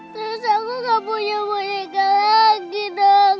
terus aku gak punya mereka lagi dong